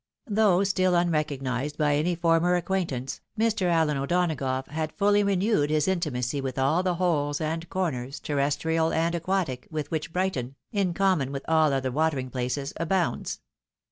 Though still unrecognised by any former acquaintance, Mr. Allen O'Donagough had fully renewed his intimacy with aU the holes and corners, terrestrial and aquatic, with which Brighton, in common with aU other watering places, abounds.